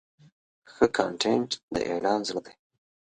ښه کانټینټ د اعلان زړه دی.